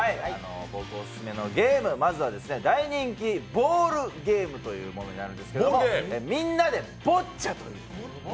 僕、オススメのゲーム、まずは大人気ボールゲームというものになるんですけど、「みんなでボッチャ」です。